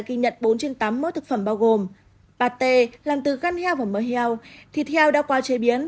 kỳ nhận bốn trên tám mẫu thực phẩm bao gồm pate làm từ găn heo và mỡ heo thịt heo đã qua chế biến